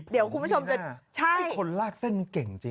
เดี๋ยวคุณผู้ชมจะใช่คนลากเส้นเก่งจริง